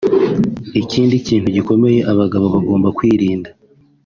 Ikindi kintu gikomeye abagabo bagomba kwirinda